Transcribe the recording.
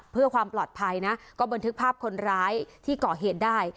เพื่อความปลอดภัยนะก็บันทึกภาพคนร้ายที่ก่อเหตุได้